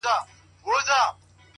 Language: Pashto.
• د چا د ويښ زړگي ميسج ننوت ـ